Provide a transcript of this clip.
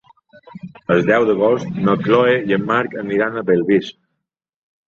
El deu d'agost na Chloé i en Marc aniran a Bellvís.